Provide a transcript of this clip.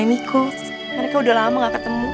niko mereka udah lama gak ketemu